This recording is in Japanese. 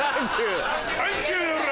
サンキューウラ。